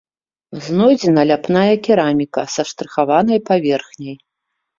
Знойдзена ляпная кераміка са штрыхаванай паверхняй.